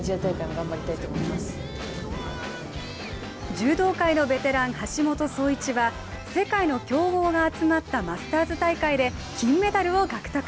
柔道界のベテラン、橋本壮市は世界の強豪が集まったマスターズ大会で金メダルを獲得。